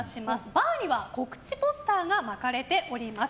バーには告知ポスターが巻かれております。